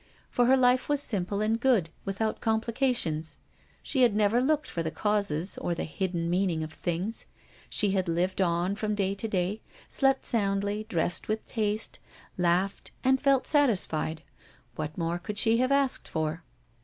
For her life was simple and good, without complications. She had never looked for the causes or the hidden meaning of things. She had lived on from day to day, slept soundly, dressed with taste, laughed, and felt satisfied. What more could she have asked for?